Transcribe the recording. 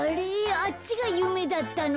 あっちがゆめだったの？